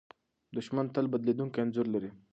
دښمن تل بدلېدونکی انځور لري.